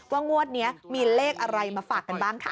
งวดนี้มีเลขอะไรมาฝากกันบ้างค่ะ